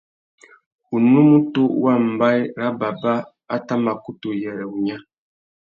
Unúmútú wa mbaye râ baba a tà mà kutu uyêrê wunya.